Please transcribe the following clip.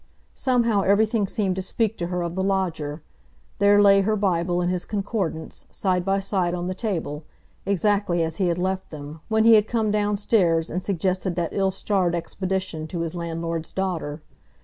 Somehow everything seemed to speak to her of the lodger, there lay her Bible and his Concordance, side by side on the table, exactly as he had left them, when he had come downstairs and suggested that ill starred expedition to his landlord's daughter.